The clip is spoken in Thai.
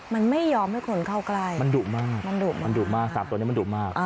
มันไม่ยอมให้คนเข้าใกล้มันดุมากมันดุมากมันดุมาก๓ตัวนี้มันดุมาก